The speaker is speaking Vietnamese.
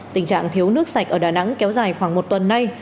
tình trạng thiếu nước sạch ở đà nẵng kéo dài khoảng một tuần nay